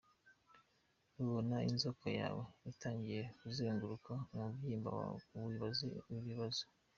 Nubona inzoka yawe itangiye kuzengeruka umubyimba wawe uzibaze ibibazo!.